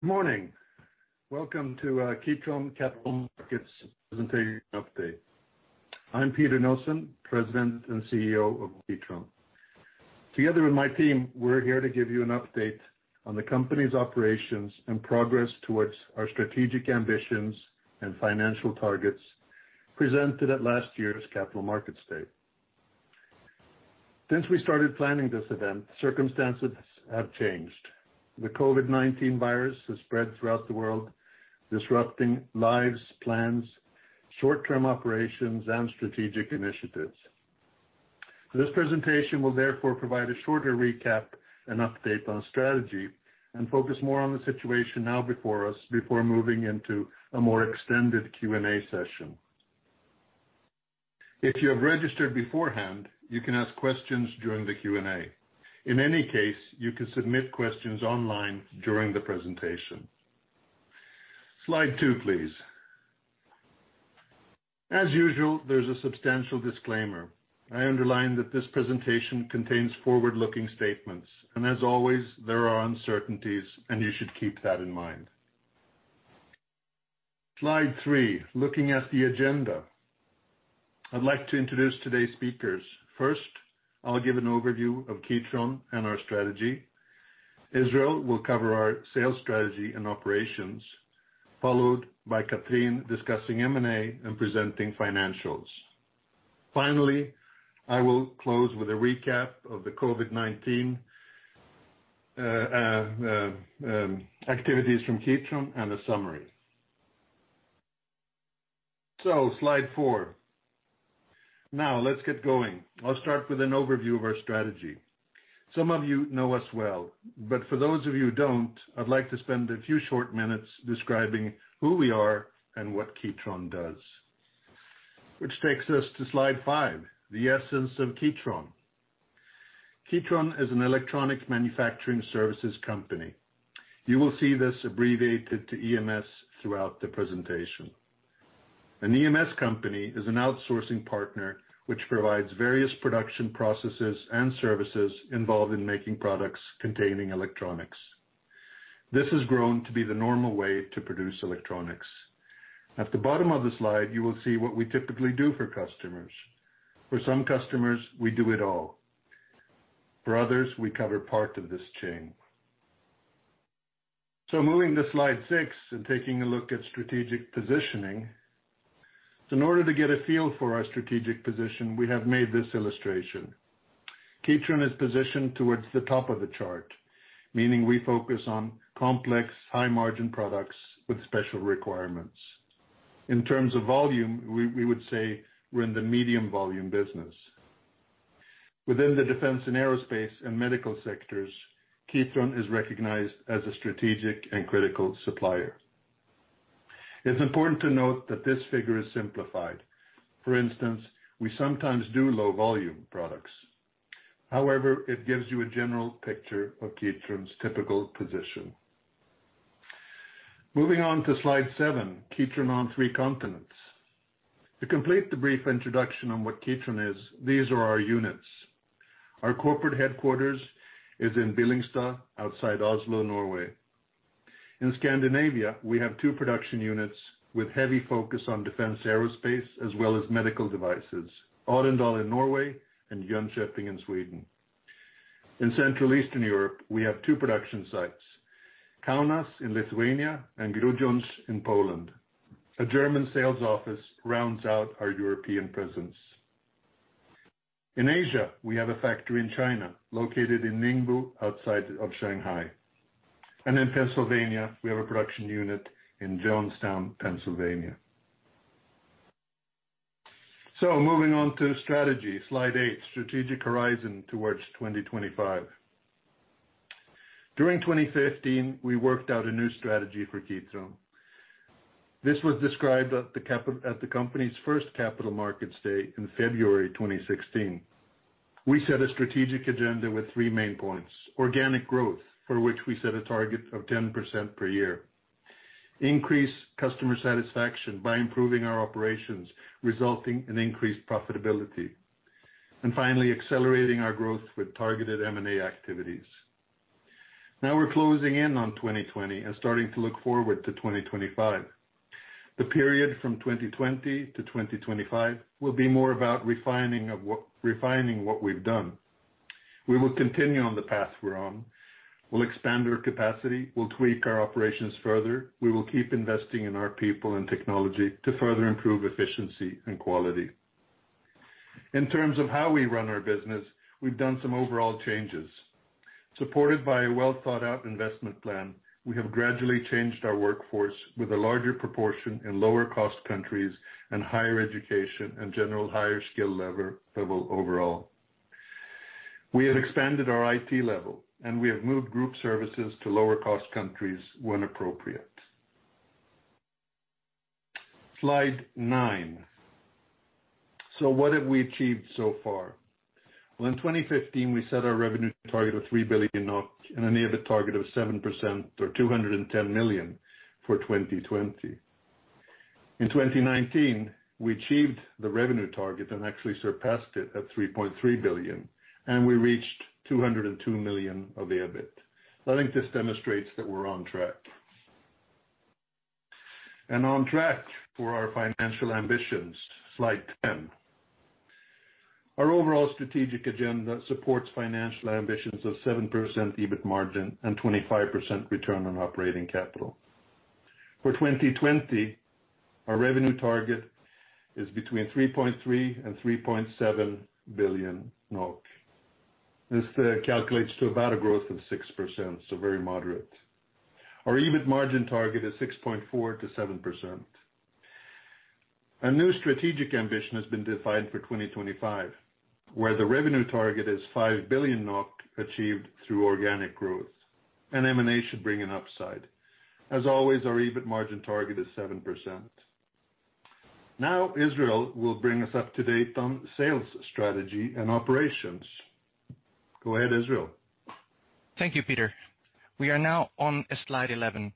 Morning. Welcome to Kitron Capital Markets presentation update. I'm Peter Nilsson, President and CEO of Kitron. Together with my team, we're here to give you an update on the company's operations and progress towards our strategic ambitions and financial targets presented at last year's Capital Markets Day. Since we started planning this event, circumstances have changed. The COVID-19 virus has spread throughout the world, disrupting lives, plans, short-term operations, and strategic initiatives. This presentation will therefore provide a shorter recap and update on strategy and focus more on the situation now before us, before moving into a more extended Q&A session. If you have registered beforehand, you can ask questions during the Q&A. In any case, you can submit questions online during the presentation. Slide two, please. As usual, there's a substantial disclaimer. I underline that this presentation contains forward-looking statements, and as always, there are uncertainties, and you should keep that in mind. Slide three, looking at the agenda. I'd like to introduce today's speakers. First, I'll give an overview of Kitron and our strategy. Israel will cover our sales strategy and operations, followed by Cathrin discussing M&A and presenting financials. Finally, I will close with a recap of the COVID-19 activities from Kitron and a summary. Slide four. Now let's get going. I'll start with an overview of our strategy. Some of you know us well, but for those of you who don't, I'd like to spend a few short minutes describing who we are and what Kitron does. Which takes us to slide five, the essence of Kitron. Kitron is an electronic manufacturing services company. You will see this abbreviated to EMS throughout the presentation. An EMS company is an outsourcing partner which provides various production processes and services involved in making products containing electronics. This has grown to be the normal way to produce electronics. At the bottom of the slide, you will see what we typically do for customers. For some customers, we do it all. For others, we cover part of this chain. Moving to slide six and taking a look at strategic positioning. In order to get a feel for our strategic position, we have made this illustration. Kitron is positioned towards the top of the chart, meaning we focus on complex high-margin products with special requirements. In terms of volume, we would say we're in the medium volume business. Within the defense and aerospace and medical sectors, Kitron is recognized as a strategic and critical supplier. It's important to note that this figure is simplified. For instance, we sometimes do low volume products. However, it gives you a general picture of Kitron's typical position. Moving on to slide seven, Kitron on three continents. To complete the brief introduction on what Kitron is, these are our units. Our corporate headquarters is in Billingstad, outside Oslo, Norway. In Scandinavia, we have two production units with heavy focus on defense aerospace as well as medical devices, Arendal in Norway and Jönköping in Sweden. In Central Eastern Europe, we have two production sites, Kaunas in Lithuania and Grudziądz in Poland. A German sales office rounds out our European presence. In Asia, we have a factory in China, located in Ningbo, outside of Shanghai. In Pennsylvania, we have a production unit in Johnstown, Pennsylvania. Moving on to strategy, slide eight, strategic horizon towards 2025. During 2015, we worked out a new strategy for Kitron. This was described at the company's first Capital Markets Day in February 2016. We set a strategic agenda with three main points, organic growth, for which we set a target of 10% per year. Increase customer satisfaction by improving our operations, resulting in increased profitability. Finally, accelerating our growth with targeted M&A activities. Now we're closing in on 2020 and starting to look forward to 2025. The period from 2020 to 2025 will be more about refining what we've done. We will continue on the path we're on. We'll expand our capacity. We'll tweak our operations further. We will keep investing in our people and technology to further improve efficiency and quality. In terms of how we run our business, we've done some overall changes. Supported by a well-thought-out investment plan, we have gradually changed our workforce with a larger proportion in lower cost countries and higher education and general higher skill level overall. We have expanded our IT level, and we have moved group services to lower cost countries when appropriate. Slide nine. What have we achieved so far? Well, in 2015, we set our revenue target of 3 billion NOK and an EBIT target of seven percent or 210 million for 2020. In 2019, we achieved the revenue target and actually surpassed it at 3.3 billion, and we reached 202 million of EBIT. I think this demonstrates that we're on track. On track for our financial ambitions. Slide 10. Our overall strategic agenda supports financial ambitions of seven percent EBIT margin and 25% return on operating capital. For 2020, our revenue target is between 3.3 billion and 3.7 billion NOK. This calculates to about a growth of six percent, so very moderate. Our EBIT margin target is six point four to seven percent. A new strategic ambition has been defined for 2025, where the revenue target is 5 billion NOK achieved through organic growth, and M&A should bring an upside. As always, our EBIT margin target is seven percent. Now Israel will bring us up to date on sales strategy and operations. Go ahead, Israel. Thank you, Peter. We are now on slide 11.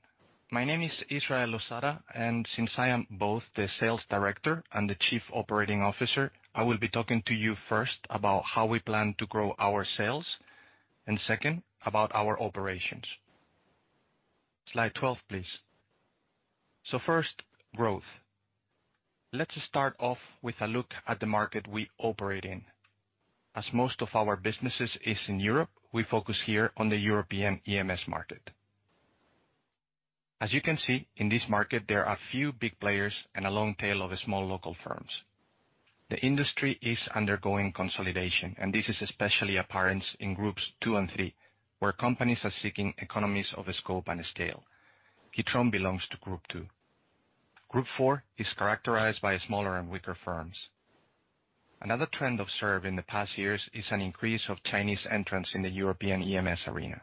My name is Israel Losada, and since I am both the sales director and the Chief Operating Officer, I will be talking to you first about how we plan to grow our sales, and second, about our operations. Slide 12, please. First, growth. Let's start off with a look at the market we operate in. As most of our businesses is in Europe, we focus here on the European EMS market. As you can see, in this market, there are few big players and a long tail of small local firms. The industry is undergoing consolidation, and this is especially apparent in groups two and three, where companies are seeking economies of scope and scale. Kitron belongs to group two. Group four is characterized by smaller and weaker firms. Another trend observed in the past years is an increase of Chinese entrants in the European EMS arena.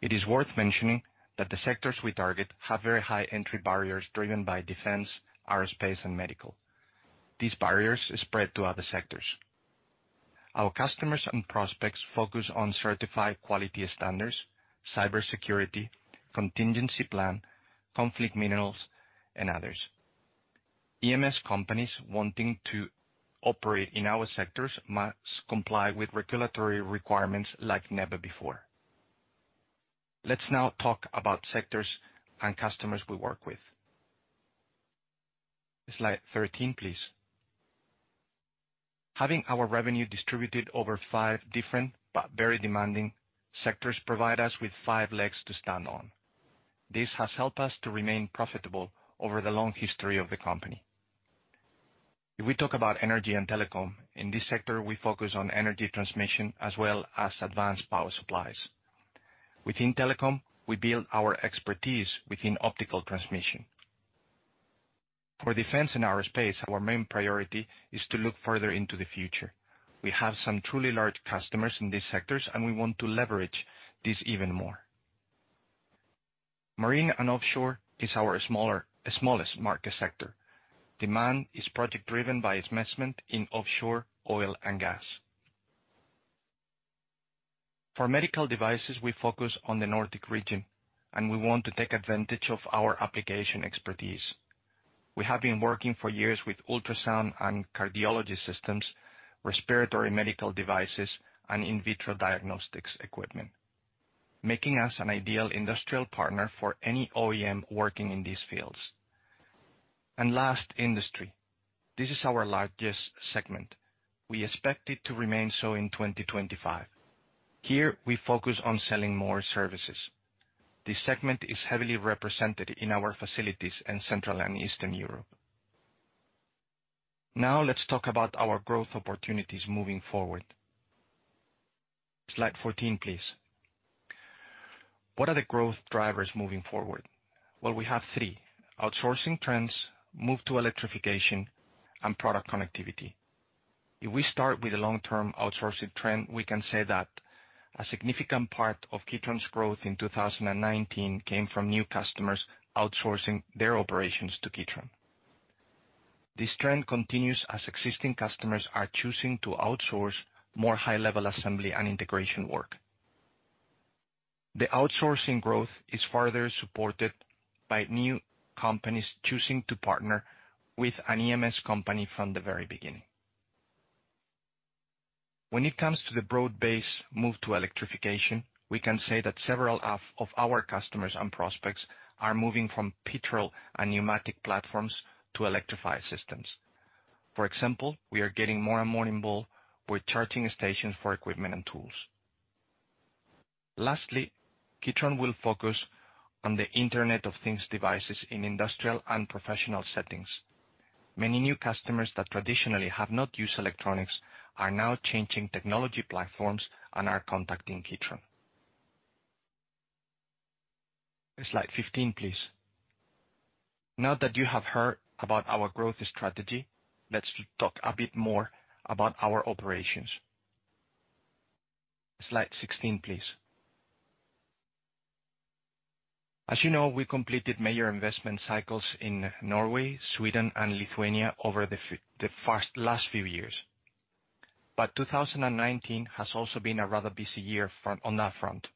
It is worth mentioning that the sectors we target have very high entry barriers driven by defense, aerospace, and medical. These barriers spread to other sectors. Our customers and prospects focus on certified quality standards, cybersecurity, contingency plan, conflict minerals, and others. EMS companies wanting to operate in our sectors must comply with regulatory requirements like never before. Let's now talk about sectors and customers we work with. Slide 13, please. Having our revenue distributed over five different but very demanding sectors provide us with five legs to stand on. This has helped us to remain profitable over the long history of the company. If we talk about energy and telecom, in this sector, we focus on energy transmission as well as advanced power supplies. Within telecom, we build our expertise within optical transmission. For defense and aerospace, our main priority is to look further into the future. We have some truly large customers in these sectors, and we want to leverage this even more. Marine and offshore is our smallest market sector. Demand is project driven by investment in offshore oil and gas. For medical devices, we focus on the Nordic region, and we want to take advantage of our application expertise. We have been working for years with ultrasound and cardiology systems, respiratory medical devices, and in vitro diagnostics equipment, making us an ideal industrial partner for any OEM working in these fields. Last, industry. This is our largest segment. We expect it to remain so in 2025. Here, we focus on selling more services. This segment is heavily represented in our facilities in Central and Eastern Europe. Now let's talk about our growth opportunities moving forward. Slide 14, please. What are the growth drivers moving forward? Well, we have three: outsourcing trends, move to electrification, and product connectivity. If we start with a long-term outsourcing trend, we can say that a significant part of Kitron's growth in 2019 came from new customers outsourcing their operations to Kitron. This trend continues as existing customers are choosing to outsource more high-level assembly and integration work. The outsourcing growth is further supported by new companies choosing to partner with an EMS company from the very beginning. When it comes to the broad-based move to electrification, we can say that several of our customers and prospects are moving from petrol and pneumatic platforms to electrified systems. For example, we are getting more and more involved with charging stations for equipment and tools. Lastly, Kitron will focus on the Internet of Things devices in industrial and professional settings. Many new customers that traditionally have not used electronics are now changing technology platforms and are contacting Kitron. Slide 15, please. Now that you have heard about our growth strategy, let's talk a bit more about our operations. Slide 16, please. As you know, we completed major investment cycles in Norway, Sweden, and Lithuania over the last few years. 2019 has also been a rather busy year on that front.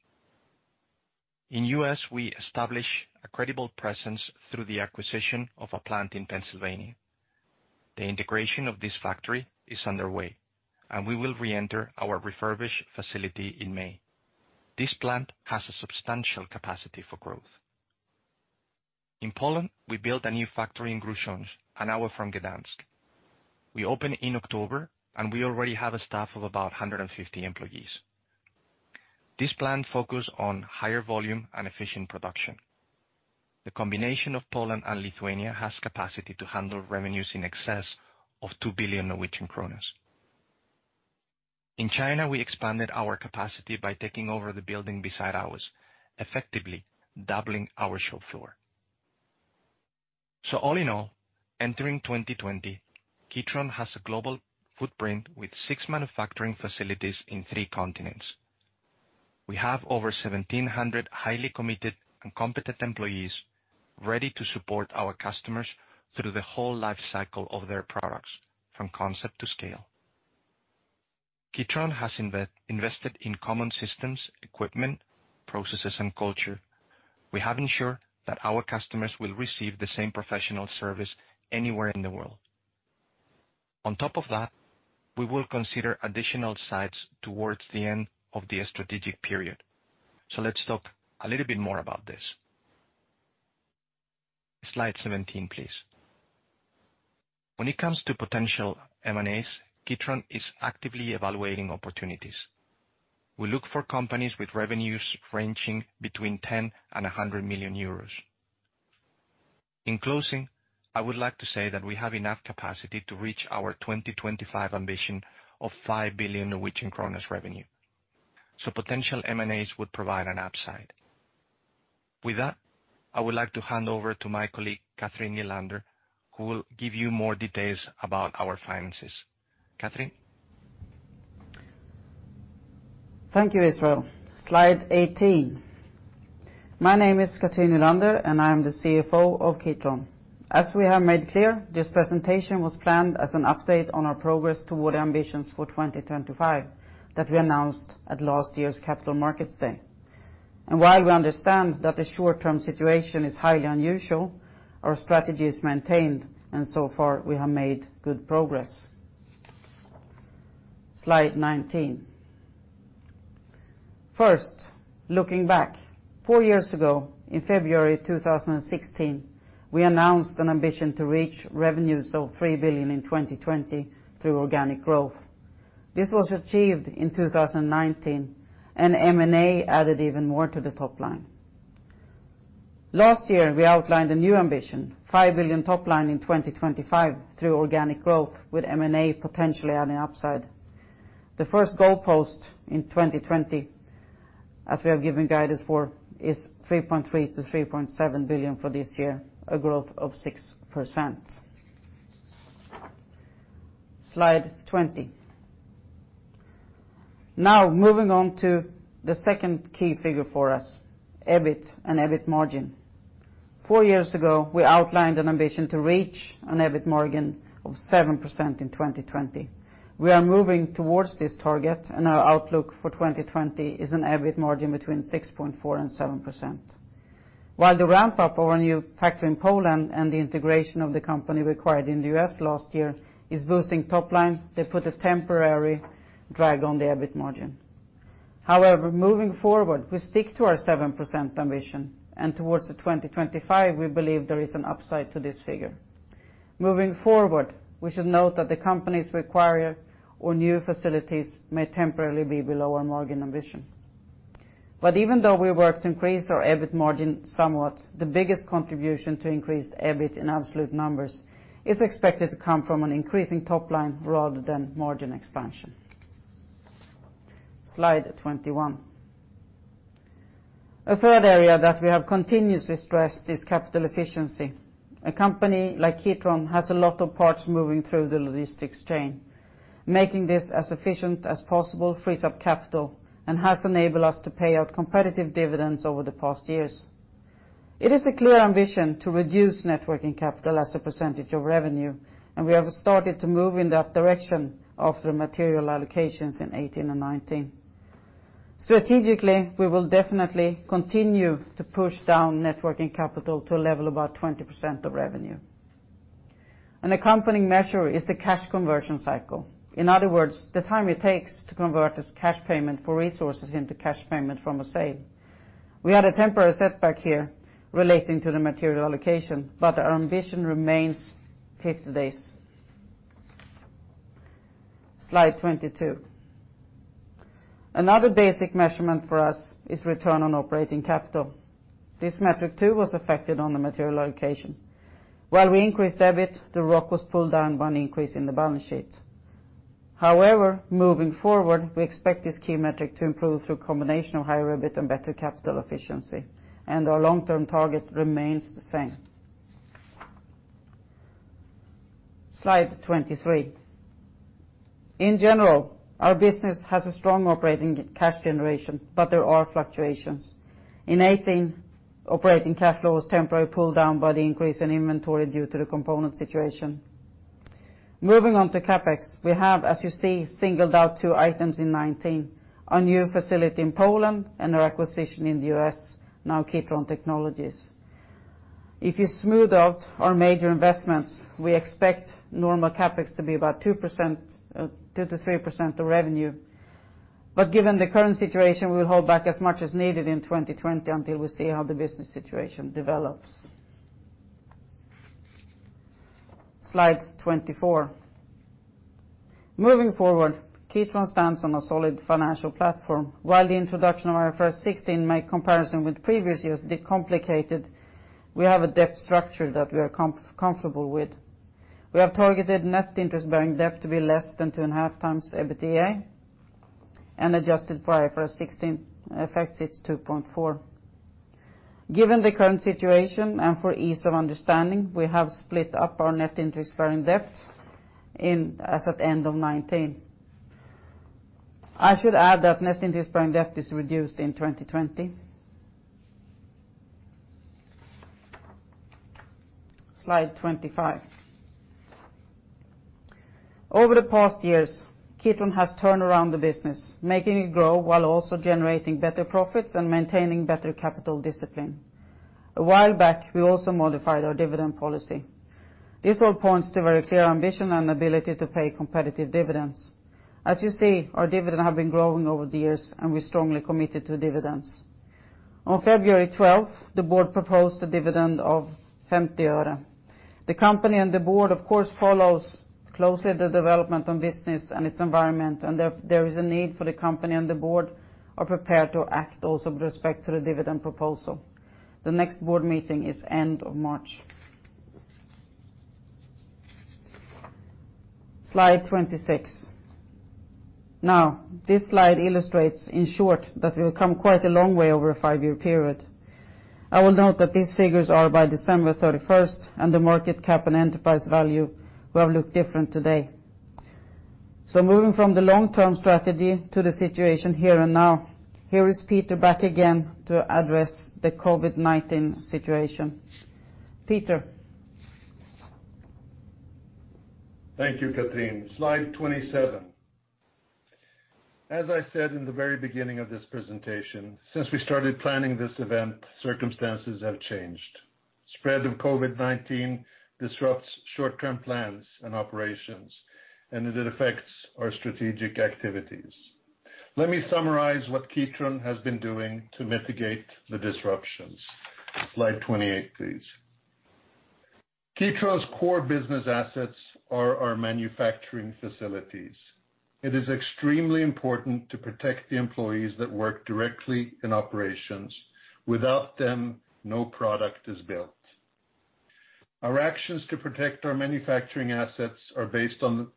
In U.S., we established a credible presence through the acquisition of a plant in Pennsylvania. The integration of this factory is underway, and we will re-enter our refurbished facility in May. This plant has a substantial capacity for growth. In Poland, we built a new factory in Grudziądz, an hour from Gdańsk. We opened in October. We already have a staff of about 150 employees. This plant focus on higher volume and efficient production. The combination of Poland and Lithuania has capacity to handle revenues in excess of 2 billion. In China, we expanded our capacity by taking over the building beside ours, effectively doubling our shop floor. All in all, entering 2020, Kitron has a global footprint with six manufacturing facilities in three continents. We have over 1,700 highly committed and competent employees ready to support our customers through the whole life cycle of their products, from concept to scale. Kitron has invested in common systems, equipment, processes, and culture. We have ensured that our customers will receive the same professional service anywhere in the world. On top of that, we will consider additional sites towards the end of the strategic period. Let's talk a little bit more about this. Slide 17, please. When it comes to potential M&As, Kitron is actively evaluating opportunities. We look for companies with revenues ranging between 10 million and 100 million euros. In closing, I would like to say that we have enough capacity to reach our 2025 ambition of 5 billion Norwegian kroner revenue. Potential M&As would provide an upside. With that, I would like to hand over to my colleague, Cathrin Nylander, who will give you more details about our finances. Cathrin? Thank you, Israel. Slide 18. My name is Cathrin Nylander, and I am the CFO of Kitron. As we have made clear, this presentation was planned as an update on our progress toward the ambitions for 2025 that we announced at last year's Capital Markets Day. While we understand that the short-term situation is highly unusual, our strategy is maintained, and so far, we have made good progress. Slide 19. First, looking back. Four years ago, in February 2016, we announced an ambition to reach revenues of 3 billion NOK in 2020 through organic growth. This was achieved in 2019, and M&A added even more to the top line. Last year, we outlined a new ambition, 5 billion NOK top line in 2025 through organic growth with M&A potentially adding upside. The first goalpost in 2020, as we have given guidance for, is 3.3 billion-3.7 billion for this year, a growth of six percent. Slide 20. Moving on to the second key figure for us, EBIT and EBIT margin. Four years ago, we outlined an ambition to reach an EBIT margin of seven percent in 2020. We are moving towards this target, and our outlook for 2020 is an EBIT margin between six point four and seven percent. While the ramp-up of our new factory in Poland and the integration of the company we acquired in the U.S. last year is boosting top line, they put a temporary drag on the EBIT margin. However, moving forward, we stick to our seven percent ambition, and towards the 2025, we believe there is an upside to this figure. Moving forward, we should note that the companies we acquire or new facilities may temporarily be below our margin ambition. Even though we worked to increase our EBIT margin somewhat, the biggest contribution to increased EBIT in absolute numbers is expected to come from an increasing top line rather than margin expansion. Slide 21. A third area that we have continuously stressed is capital efficiency. A company like Kitron has a lot of parts moving through the logistics chain. Making this as efficient as possible frees up capital and has enabled us to pay out competitive dividends over the past years. It is a clear ambition to reduce net working capital as a percentage of revenue, and we have started to move in that direction after material allocations in 2018 and 2019. Strategically, we will definitely continue to push down net working capital to a level about 20% of revenue. An accompanying measure is the cash conversion cycle. In other words, the time it takes to convert this cash payment for resources into cash payment from a sale. We had a temporary setback here relating to the material allocation, but our ambition remains 50 days. Slide 22. Another basic measurement for us is return on operating capital. This metric, too, was affected on the material allocation. While we increased EBIT, the ROC was pulled down by an increase in the balance sheet. However, moving forward, we expect this key metric to improve through a combination of higher EBIT and better capital efficiency, and our long-term target remains the same. Slide 23. In general, our business has a strong operating cash generation, but there are fluctuations. In 2018, operating cash flow was temporarily pulled down by the increase in inventory due to the component situation. Moving on to CapEx, we have, as you see, singled out two items in 2019, a new facility in Poland and our acquisition in the U.S., now Kitron Technologies. If you smooth out our major investments, we expect normal CapEx to be about two percent of revenue. Given the current situation, we'll hold back as much as needed in 2020 until we see how the business situation develops. Slide 24. Moving forward, Kitron stands on a solid financial platform. While the introduction of IFRS 16 makes comparison with previous years bit complicated, we have a debt structure that we are comfortable with. We have targeted net interest-bearing debt to be less than two and a half times times EBITDA, and adjusted for IFRS 16 effects, it's two point four. Given the current situation and for ease of understanding, we have split up our net interest-bearing debt as at end of 2019. I should add that net interest-bearing debt is reduced in 2020. Slide 25. Over the past years, Kitron has turned around the business, making it grow while also generating better profits and maintaining better capital discipline. A while back, we also modified our dividend policy. This all points to very clear ambition and ability to pay competitive dividends. As you see, our dividend have been growing over the years, and we're strongly committed to dividends. On February 12th, the board proposed a dividend of NOK 0.50. The company and the board, of course, follows closely the development on business and its environment, and if there is a need for the company and the board are prepared to act also with respect to the dividend proposal. The next board meeting is end of March. Slide 26. This slide illustrates, in short, that we've come quite a long way over a five-year period. I will note that these figures are by December 31st, and the market cap and enterprise value will look different today. Moving from the long-term strategy to the situation here and now, here is Peter back again to address the COVID-19 situation. Peter. Thank you, Cathrin. Slide 27. As I said in the very beginning of this presentation, since we started planning this event, circumstances have changed. Spread of COVID-19 disrupts short-term plans and operations, and it affects our strategic activities. Let me summarize what Kitron has been doing to mitigate the disruptions. Slide 28, please. Kitron's core business assets are our manufacturing facilities. It is extremely important to protect the employees that work directly in operations. Without them, no product is built. Our actions to protect our manufacturing assets are based on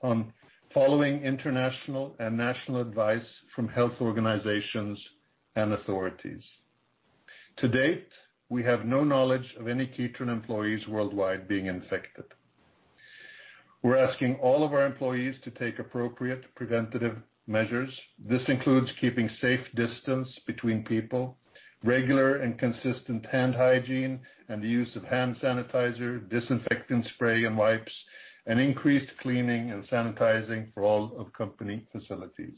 following international and national advice from health organizations and authorities. To date, we have no knowledge of any Kitron employees worldwide being infected. We're asking all of our employees to take appropriate preventative measures. This includes keeping safe distance between people, regular and consistent hand hygiene, and the use of hand sanitizer, disinfectant spray, and wipes, and increased cleaning and sanitizing for all of company facilities.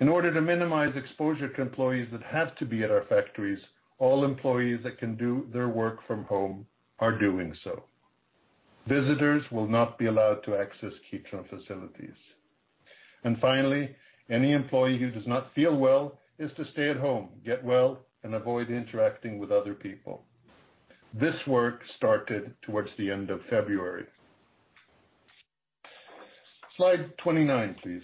In order to minimize exposure to employees that have to be at our factories, all employees that can do their work from home are doing so. Visitors will not be allowed to access Kitron facilities. Finally, any employee who does not feel well is to stay at home, get well, and avoid interacting with other people. This work started towards the end of February. Slide 29, please.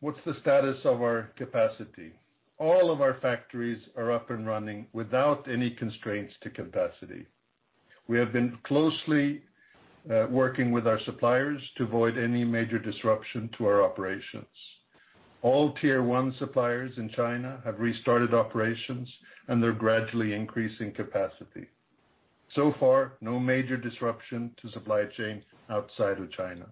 What's the status of our capacity? All of our factories are up and running without any constraints to capacity. We have been closely working with our suppliers to avoid any major disruption to our operations. All tier 1 suppliers in China have restarted operations, and they're gradually increasing capacity. No major disruption to supply chain outside of China.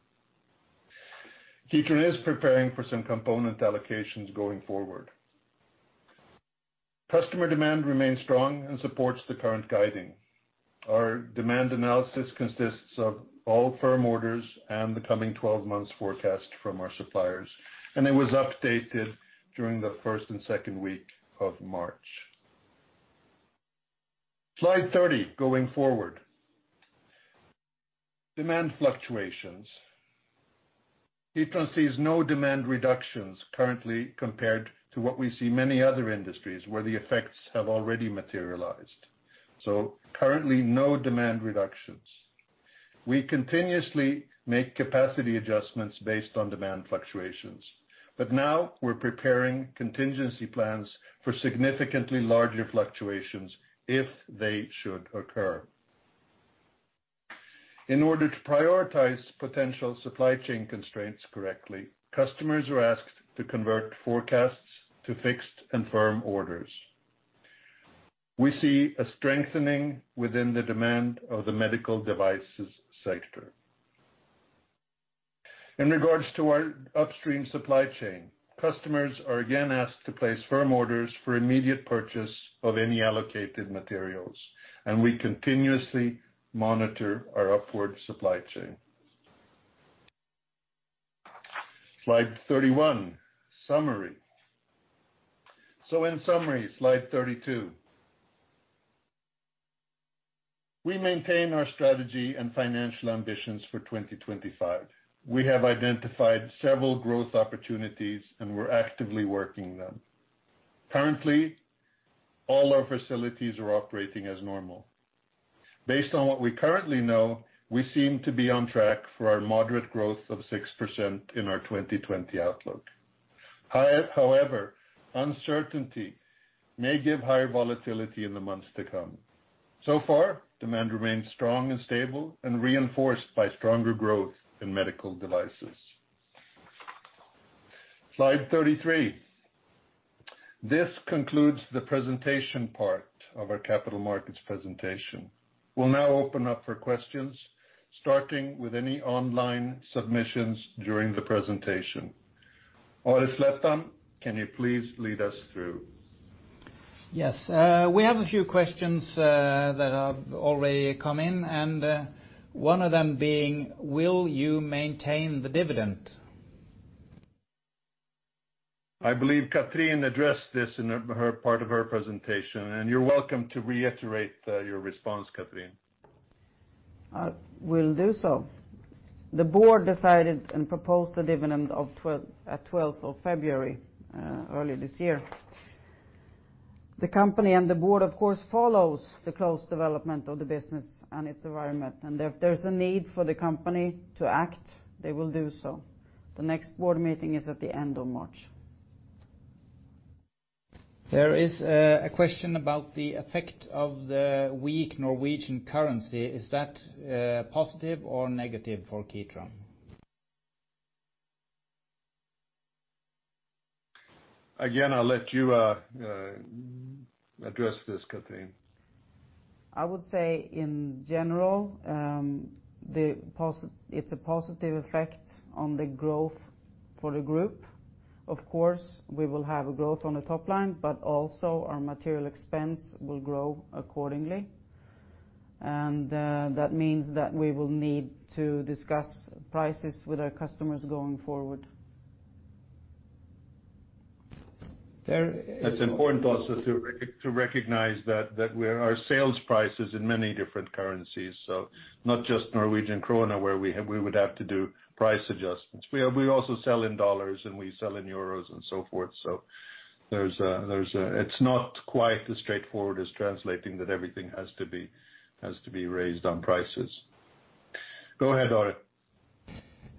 Kitron is preparing for some component allocations going forward. Customer demand remains strong and supports the current guiding. Our demand analysis consists of all firm orders and the coming 12 months forecast from our suppliers, and it was updated during the first and second week of March. Slide 30, going forward. Demand fluctuations. Kitron sees no demand reductions currently compared to what we see many other industries where the effects have already materialized. Currently, no demand reductions. We continuously make capacity adjustments based on demand fluctuations. Now we're preparing contingency plans for significantly larger fluctuations if they should occur. In order to prioritize potential supply chain constraints correctly, customers are asked to convert forecasts to fixed and firm orders. We see a strengthening within the demand of the medical devices sector. In regards to our upstream supply chain, customers are again asked to place firm orders for immediate purchase of any allocated materials, and we continuously monitor our upward supply chain. Slide 31, summary. In summary, slide 32. We maintain our strategy and financial ambitions for 2025. We have identified several growth opportunities, and we're actively working them. Currently, all our facilities are operating as normal. Based on what we currently know, we seem to be on track for our moderate growth of six percent in our 2020 outlook. However, uncertainty may give higher volatility in the months to come. So far, demand remains strong and stable and reinforced by stronger growth in medical devices. Slide 33. This concludes the presentation part of our capital markets presentation. We'll now open up for questions, starting with any online submissions during the presentation. Arild Slettan, can you please lead us through? Yes. We have a few questions that have already come in, and one of them being, will you maintain the dividend? I believe Cathrin addressed this in her part of her presentation. You're welcome to reiterate your response, Cathrin. I will do so. The board decided and proposed the dividend at 12th of February earlier this year. The company and the board, of course, follows the close development of the business and its environment. If there's a need for the company to act, they will do so. The next board meeting is at the end of March. There is a question about the effect of the weak Norwegian currency. Is that positive or negative for Kitron? Again, I'll let you address this, Cathrin. I would say in general, it's a positive effect on the growth for the group. Of course, we will have a growth on the top line, but also our material expense will grow accordingly, and that means that we will need to discuss prices with our customers going forward. It's important also to recognize that our sales price is in many different currencies, so not just Norwegian krone, where we would have to do price adjustments. We also sell in dollars and we sell in euros and so forth. It's not quite as straightforward as translating that everything has to be raised on prices. Go ahead, Arild.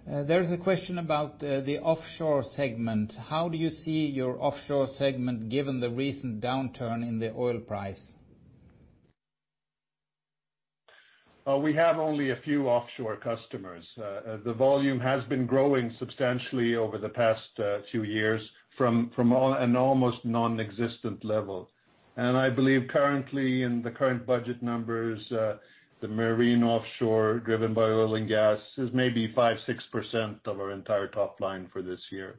There's a question about the offshore segment. How do you see your offshore segment given the recent downturn in the oil price? We have only a few offshore customers. The volume has been growing substantially over the past few years from an almost non-existent level. I believe currently in the current budget numbers, the marine offshore driven by oil and gas is maybe five, six percent of our entire top line for this year.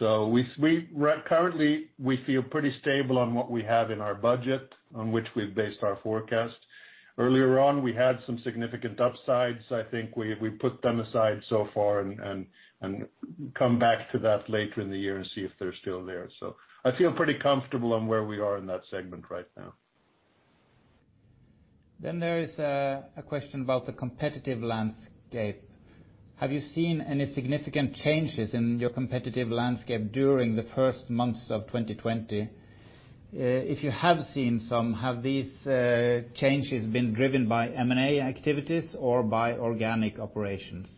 Currently, we feel pretty stable on what we have in our budget, on which we've based our forecast. Earlier on, we had some significant upsides. I think we put them aside so far and come back to that later in the year and see if they're still there. I feel pretty comfortable on where we are in that segment right now. There is a question about the competitive landscape. Have you seen any significant changes in your competitive landscape during the first months of 2020? If you have seen some, have these changes been driven by M&A activities or by organic operations?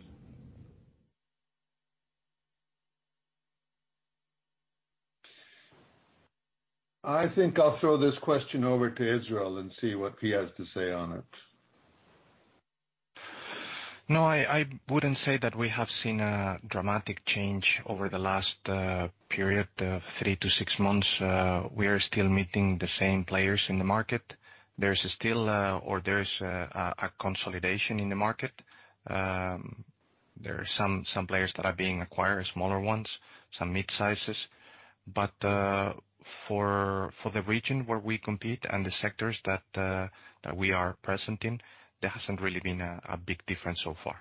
I think I'll throw this question over to Israel and see what he has to say on it. No, I wouldn't say that we have seen a dramatic change over the last period of three to six months. We are still meeting the same players in the market. There is a consolidation in the market. There are some players that are being acquired, smaller ones, some mid-sizes. For the region where we compete and the sectors that we are present in, there hasn't really been a big difference so far.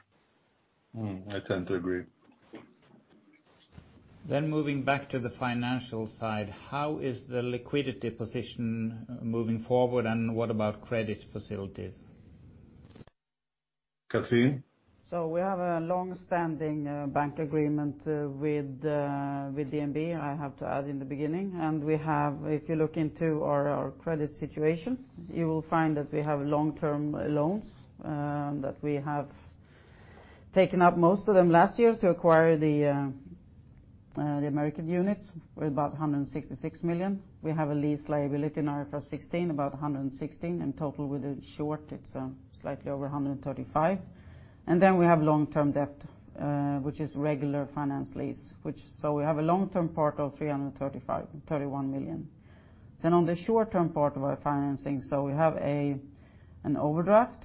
I tend to agree. Moving back to the financial side, how is the liquidity position moving forward, and what about credit facilities? Cathrin? We have a long-standing bank agreement with DNB, I have to add in the beginning. If you look into our credit situation, you will find that we have long-term loans, that we have taken up most of them last year to acquire the American units with about 166 million. We have a lease liability in IFRS 16, about 116 million. In total with the short, it's slightly over 135 million. We have long-term debt, which is regular finance lease. We have a long-term part of 331 million. On the short-term part of our financing, we have an overdraft,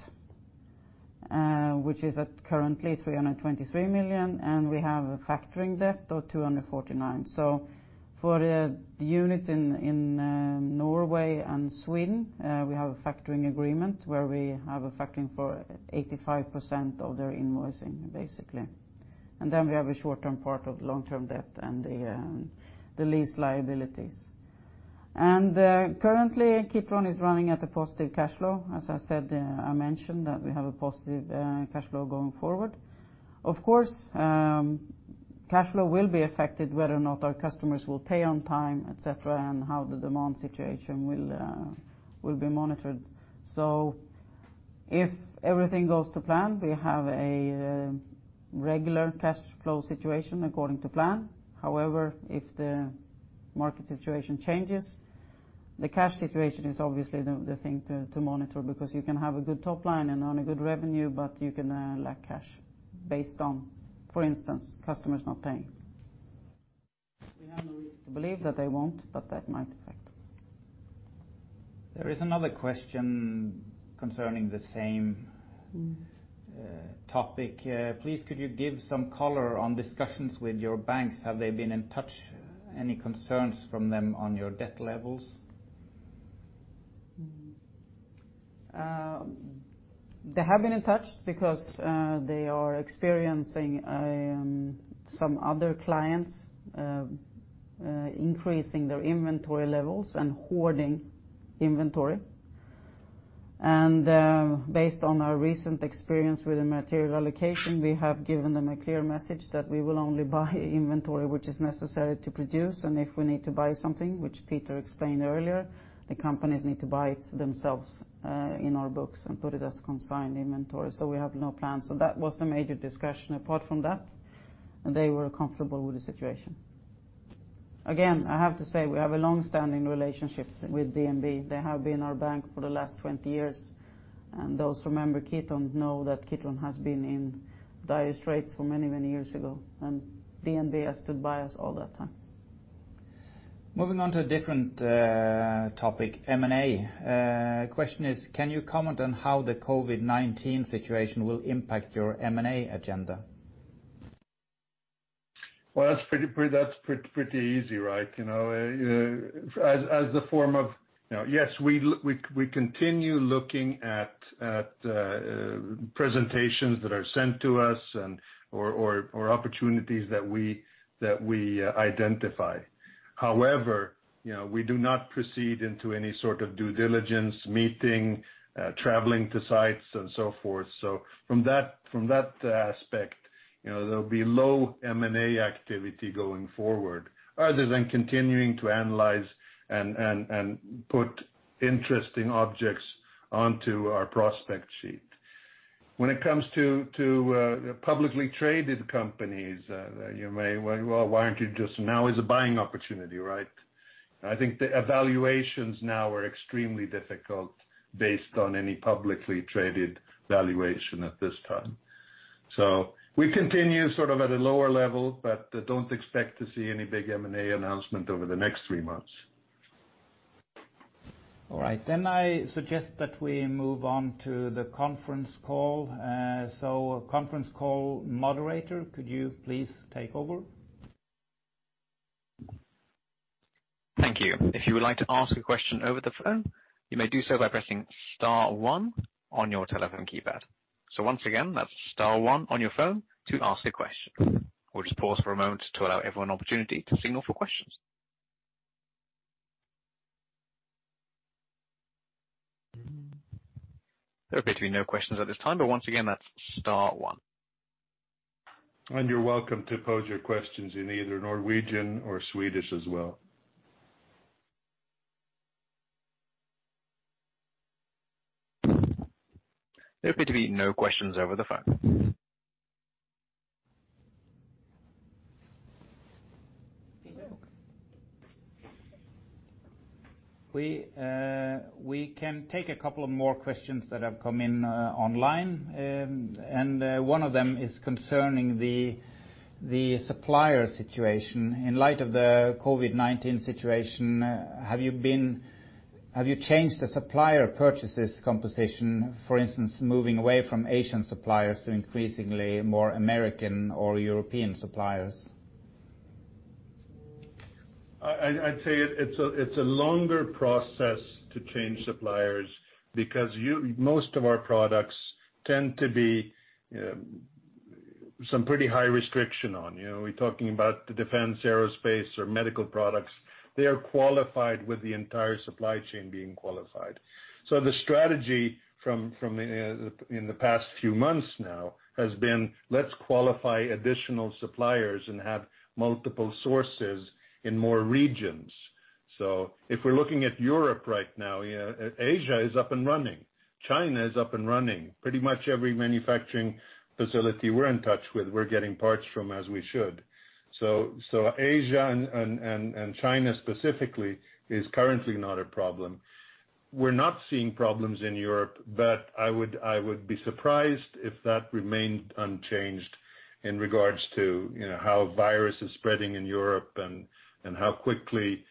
which is at currently 323 million, and we have a factoring debt of 249 million. For the units in Norway and Sweden, we have a factoring agreement where we have a factoring for 85% of their invoicing, basically. We have a short-term part of long-term debt and the lease liabilities. Currently, Kitron is running at a positive cash flow. As I said, I mentioned that we have a positive cash flow going forward. Of course, cash flow will be affected whether or not our customers will pay on time, et cetera, and how the demand situation will be monitored. If everything goes to plan, we have a regular cash flow situation according to plan. However, if the market situation changes, the cash situation is obviously the thing to monitor, because you can have a good top line and own a good revenue, but you can lack cash based on, for instance, customers not paying. We have no reason to believe that they won't. There is another question concerning the same topic. Please, could you give some color on discussions with your banks? Have they been in touch? Any concerns from them on your debt levels? They have been in touch because they are experiencing some other clients increasing their inventory levels and hoarding inventory. Based on our recent experience with the material allocation, we have given them a clear message that we will only buy inventory which is necessary to produce. If we need to buy something, which Peter explained earlier, the companies need to buy it themselves, in our books and put it as consigned inventory. We have no plans. That was the major discussion apart from that, and they were comfortable with the situation. Again, I have to say, we have a long-standing relationship with DNB. They have been our bank for the last 20 years, and those who remember Kitron know that Kitron has been in dire straits for many years ago, and DNB has stood by us all that time. Moving on to a different topic, M&A. Question is, can you comment on how the COVID-19 situation will impact your M&A agenda? Well, that's pretty easy, right? Yes, we continue looking at presentations that are sent to us or opportunities that we identify. We do not proceed into any sort of due diligence meeting, traveling to sites and so forth. From that aspect, there'll be low M&A activity going forward other than continuing to analyze and put interesting objects onto our prospect sheet. When it comes to publicly traded companies, Well, why aren't you just Now is a buying opportunity, right? I think the evaluations now are extremely difficult based on any publicly traded valuation at this time. We continue sort of at a lower level, but don't expect to see any big M&A announcement over the next three months. All right. I suggest that we move on to the conference call. Conference call moderator, could you please take over? Thank you. If you would like to ask a question over the phone, you may do so by pressing star one on your telephone keypad. Once again, that's star one on your phone to ask a question. We'll just pause for a moment to allow everyone an opportunity to signal for questions. There appear to be no questions at this time, but once again, that's star one. You're welcome to pose your questions in either Norwegian or Swedish as well. There appear to be no questions over the phone. Peter. We can take a couple of more questions that have come in online, and one of them is concerning the supplier situation. In light of the COVID-19 situation, have you changed the supplier purchases composition, for instance, moving away from Asian suppliers to increasingly more American or European suppliers? I'd say it's a longer process to change suppliers because most of our products tend to be some pretty high restriction on. We're talking about the defense, aerospace, or medical products. They are qualified with the entire supply chain being qualified. The strategy in the past few months now has been, let's qualify additional suppliers and have multiple sources in more regions. If we're looking at Europe right now, Asia is up and running. China is up and running. Pretty much every manufacturing facility we're in touch with, we're getting parts from as we should. Asia and China specifically is currently not a problem. We're not seeing problems in Europe, but I would be surprised if that remained unchanged in regards to how COVID-19 is spreading in Europe and how quickly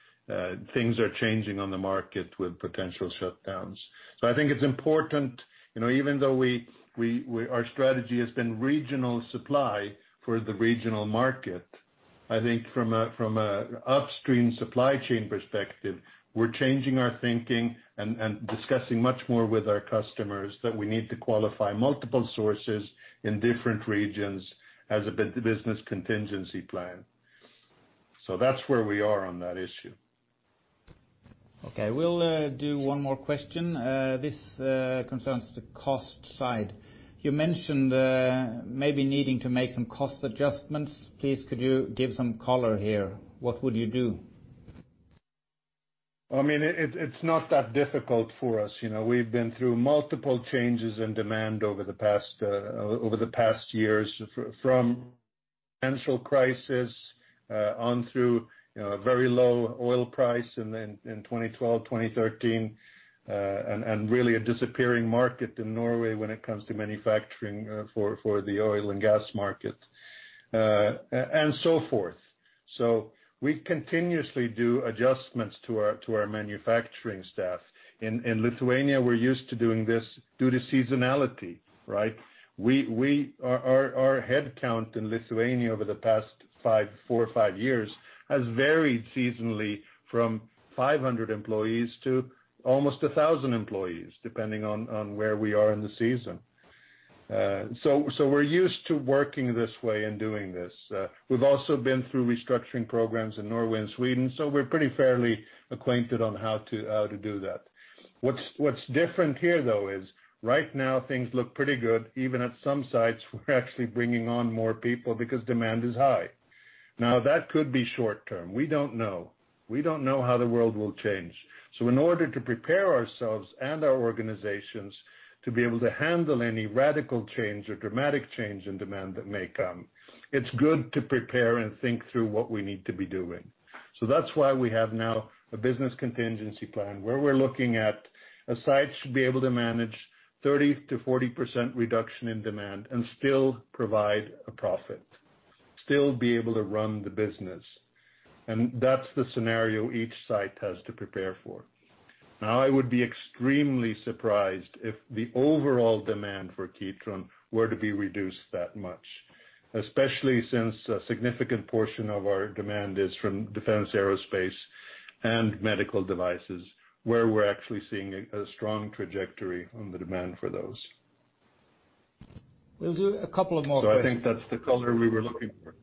things are changing on the market with potential shutdowns. I think it's important, even though our strategy has been regional supply for the regional market, I think from a upstream supply chain perspective, we're changing our thinking and discussing much more with our customers that we need to qualify multiple sources in different regions as a business contingency plan. That's where we are on that issue. Okay. We'll do one more question. This concerns the cost side. You mentioned maybe needing to make some cost adjustments. Please could you give some color here? What would you do? It's not that difficult for us. We've been through multiple changes in demand over the past years, from financial crisis, on through very low oil price in 2012, 2013, and really a disappearing market in Norway when it comes to manufacturing for the oil and gas market, and so forth. We continuously do adjustments to our manufacturing staff. In Lithuania, we're used to doing this due to seasonality, right? Our headcount in Lithuania over the past four or five years has varied seasonally from 500 employees to almost 1,000 employees, depending on where we are in the season. We're used to working this way and doing this. We've also been through restructuring programs in Norway and Sweden, so we're pretty fairly acquainted on how to do that. What's different here, though, is right now things look pretty good. Even at some sites, we're actually bringing on more people because demand is high. That could be short-term. We don't know. We don't know how the world will change. In order to prepare ourselves and our organizations to be able to handle any radical change or dramatic change in demand that may come, it's good to prepare and think through what we need to be doing. That's why we have now a business contingency plan, where we're looking at a site should be able to manage 30% to 40% reduction in demand and still provide a profit, still be able to run the business. That's the scenario each site has to prepare for. I would be extremely surprised if the overall demand for Kitron were to be reduced that much, especially since a significant portion of our demand is from defense aerospace and medical devices, where we're actually seeing a strong trajectory on the demand for those. We'll do a couple of more questions. I think that's the color we were looking for.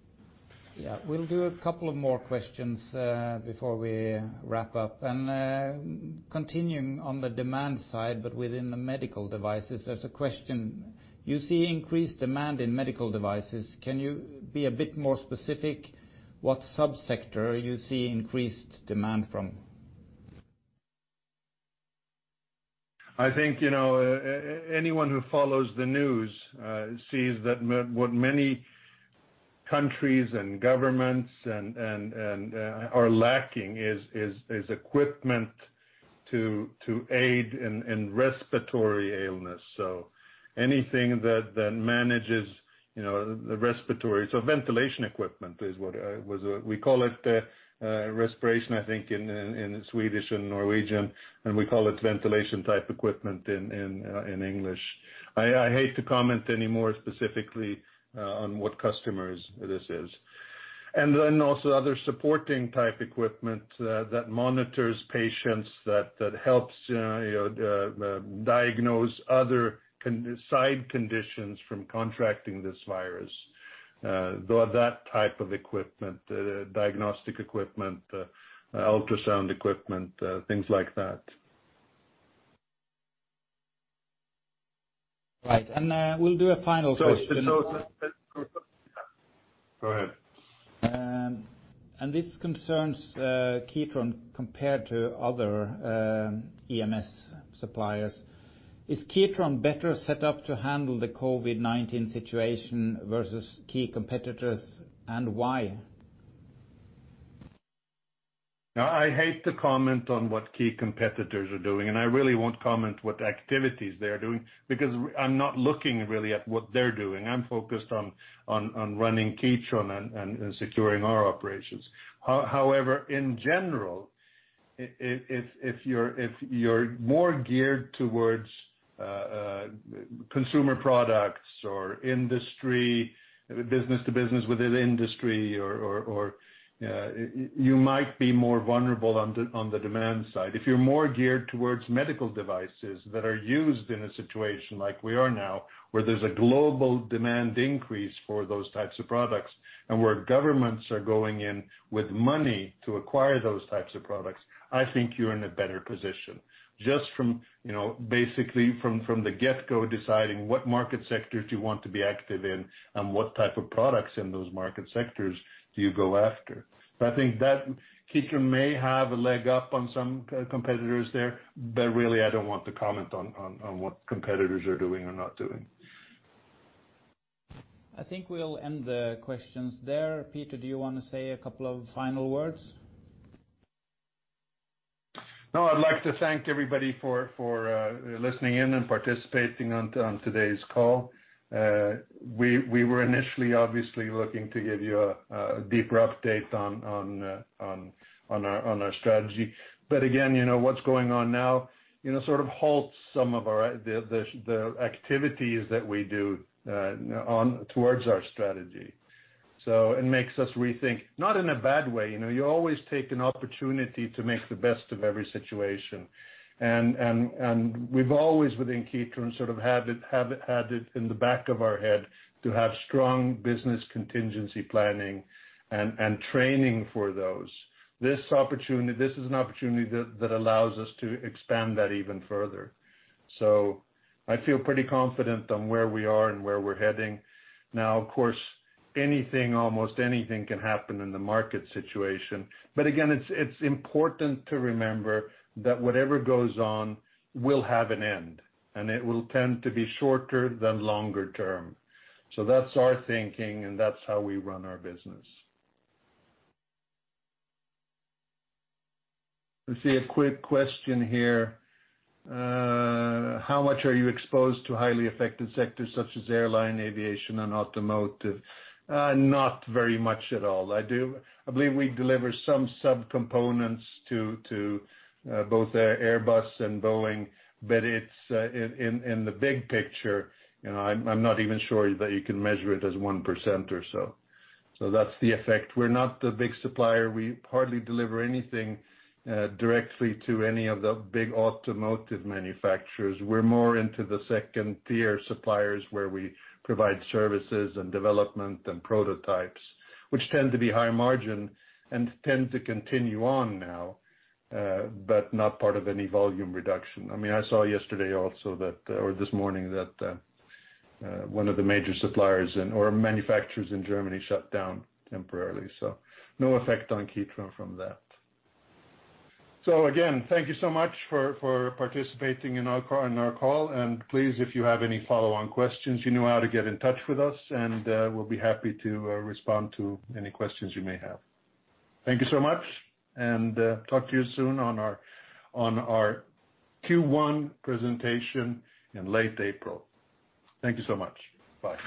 Yeah. We'll do a couple of more questions before we wrap up. Continuing on the demand side, but within the medical devices, there's a question. You see increased demand in medical devices. Can you be a bit more specific what sub-sector you see increased demand from? I think anyone who follows the news sees that what many countries and governments are lacking is equipment to aid in respiratory illness. Ventilation equipment is what we call it respiration, I think, in Swedish and Norwegian, and we call it ventilation type equipment in English. I hate to comment any more specifically on what customers this is. Also other supporting type equipment that monitors patients, that helps diagnose other side conditions from contracting this virus. That type of equipment, diagnostic equipment, ultrasound equipment, things like that. Right. We'll do a final question. Go ahead. This concerns Kitron compared to other EMS suppliers. Is Kitron better set up to handle the COVID-19 situation versus key competitors, and why? I hate to comment on what key competitors are doing, and I really won't comment what activities they are doing, because I'm not looking really at what they're doing. I'm focused on running Kitron and securing our operations. In general, if you're more geared towards consumer products or industry, business to business within industry, you might be more vulnerable on the demand side. If you're more geared towards medical devices that are used in a situation like we are now, where there's a global demand increase for those types of products, and where governments are going in with money to acquire those types of products, I think you're in a better position. Basically from the get go, deciding what market sectors you want to be active in and what type of products in those market sectors do you go after. I think that Kitron may have a leg up on some competitors there, but really I don't want to comment on what competitors are doing or not doing. I think we'll end the questions there. Peter, do you want to say a couple of final words? No, I'd like to thank everybody for listening in and participating on today's call. We were initially obviously looking to give you a deeper update on our strategy. Again, what's going on now sort of halts some of the activities that we do towards our strategy. It makes us rethink, not in a bad way. You always take an opportunity to make the best of every situation. We've always, within Kitron, sort of had it in the back of our head to have strong business contingency planning and training for those. This is an opportunity that allows us to expand that even further. I feel pretty confident on where we are and where we're heading. Now, of course, almost anything can happen in the market situation. Again, it's important to remember that whatever goes on will have an end, and it will tend to be shorter than longer term. That's our thinking, and that's how we run our business. I see a quick question here. How much are you exposed to highly affected sectors such as airline, aviation, and automotive? Not very much at all. I believe we deliver some sub-components to both Airbus and Boeing, but in the big picture, I'm not even sure that you can measure it as one percent or so. That's the effect. We're not the big supplier. We hardly deliver anything directly to any of the big automotive manufacturers. We're more into the second-tier suppliers, where we provide services and development and prototypes, which tend to be higher margin and tend to continue on now, but not part of any volume reduction. I saw yesterday also, or this morning, that one of the major suppliers or manufacturers in Germany shut down temporarily. No effect on Kitron from that. Again, thank you so much for participating in our call. Please, if you have any follow-on questions, you know how to get in touch with us, and we'll be happy to respond to any questions you may have. Thank you so much, talk to you soon on our Q1 presentation in late April. Thank you so much. Bye.